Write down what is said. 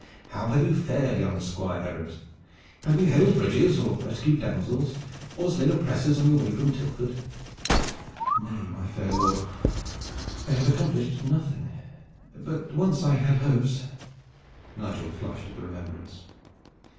How have you fared, young squire errant? Have you held bridges or rescued damsels or slain oppressors on your way from Tilford?" "Nay, my fair lord, I have accomplished nothing; but I once had hopes " Nigel flushed at the remembrance.